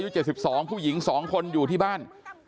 ๗๒ผู้หญิง๒คนอยู่ที่บ้าน